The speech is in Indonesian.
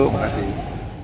terima kasih pak